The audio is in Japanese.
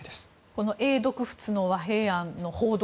この英独仏の和平案の報道